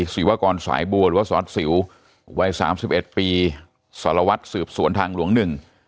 ศิวากรสายบัวหรือว่าสอนสิววัยสามสิบเอ็ดปีสารวัตรสืบสวนทางหลวงหนึ่ง